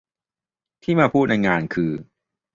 ที่มาพูดในงานคือ